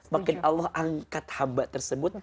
makin allah angkat hamba tersebut